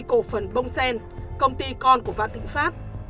cổ phần bông sen công ty con của vạn thịnh pháp